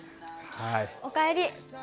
お帰り。